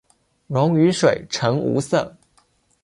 溶于水呈无色。